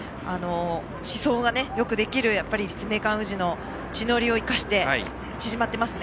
試走ができる立命館宇治の地の利を生かして縮まっていますね。